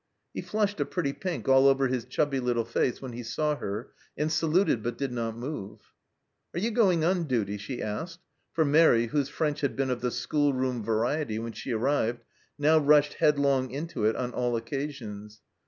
He flushed a pretty pink all over his chubby little face when he saw her, and saluted, but did not move. " Are you going on duty ?" she asked, for Mairi, whose French had been of the schoolroom variety when she arrived, now rushed headlong into it on all occasions.